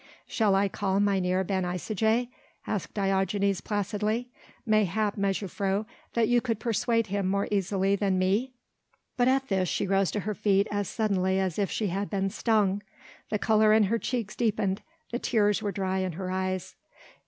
"Shall I call Mynheer Ben Isaje?" asked Diogenes placidly, "mayhap, mejuffrouw, that you could persuade him more easily than me!" But at this she rose to her feet as suddenly as if she had been stung: the colour in her cheeks deepened, the tears were dry in her eyes.